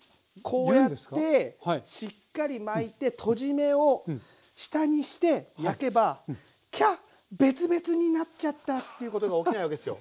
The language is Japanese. こうやってしっかり巻いてとじ目を下にして焼けばキャッベツベツになっちゃったっていうことが起きないわけですよ。